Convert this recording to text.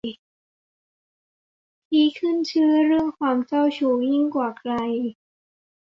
ที่ขึ้นชื่อเรื่องความเจ้าชู้ยิ่งกว่าใคร